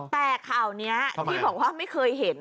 แต่ข่าวนี้ที่บอกว่าไม่เคยเห็น